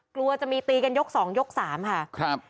กลัวจะมีตีกันยก๒ยก๓ค่ะ